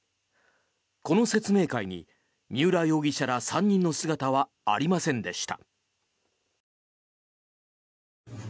この説明会に三浦容疑者ら３人の姿はありませんでした。